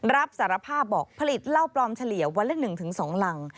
รับสารภาพบอกผลิตเหล้าปลอมเฉลี่ยวันละ๑๒รัง